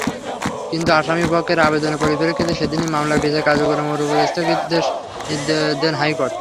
কিন্তু আসামিপক্ষের আবেদনের পরিপ্রেক্ষিতে সেদিনই মামলার বিচার কার্যক্রমের ওপর স্থগিতাদেশ দেন হাইকোর্ট।